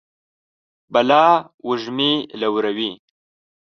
بلا وږمې لوروي